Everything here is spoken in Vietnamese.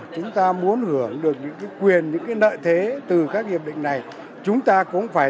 chúng ta muốn hưởng được những quyền những nợ thế từ các hiệp định này chúng ta cũng phải